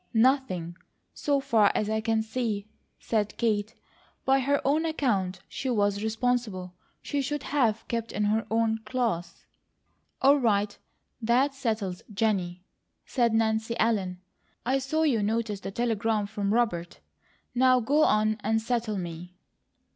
"Nothing, so far as I can see," said Kate. "By her own account she was responsible. She should have kept in her own class." "All right. That settles Jennie!" said Nancy Ellen. "I saw you notice the telegram from Robert now go on and settle me!"